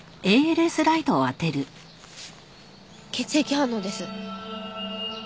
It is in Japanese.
血液反応です。